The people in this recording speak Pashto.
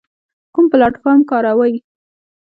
کوم پلتفارم کاروئ؟